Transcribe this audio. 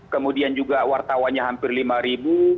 kemudian juga wartawannya hampir lima ribu